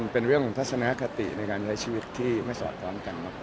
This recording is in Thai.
เป็นเรื่องของทัศนคติในการใช้ชีวิตที่ไม่สอดความกันมากกว่า